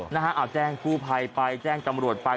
นะฮะเอาแจ้งกู้ภัยไปแจ้งตำรวจไป